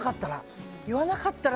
言わなかったら。